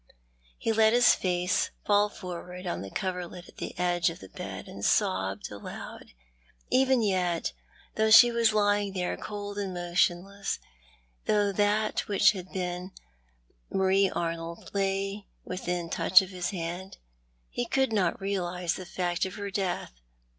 He let his face fall forward on the coverlet at the edge of the bed, and sobbed aloud. Even yet, though she was lying there cold and motionless— though that which had been Marie Arnold lay within touch of his hand — he could not realise the fact of her death.